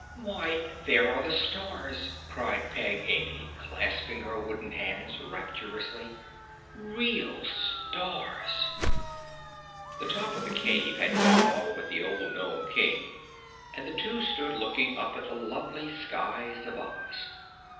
"Why, there are the stars!" cried Peg Amy, clasping her wooden hands rapturously. "Real stars!" The top of the cave had gone off with the old gnome King and the two stood looking up at the lovely skies of Oz.